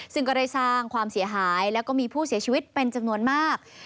ซึ่งก็ได้สร้างความเสียหายแล้วก็มีผู้เสียชีวิตเป็นจำนวนมาก